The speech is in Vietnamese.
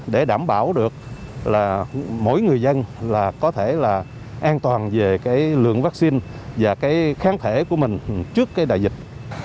để đảm bảo được là mỗi người dân là có thể là an toàn về cái lượng vaccine và cái kháng thể của mình trước cái đại dịch